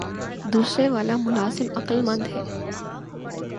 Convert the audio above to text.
دوسرے والا ملازم عقلمند ہے